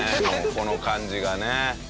この感じがね。